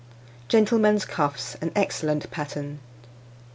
Gentlemen's Cuffs: an Excellent Pattern.